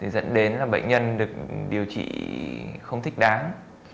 dẫn đến là bệnh nhân được điều trị không thích đáng